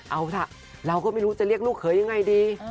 เอาล่ะเราก็ไม่รู้จะเรียกลูกเขยยังไงดี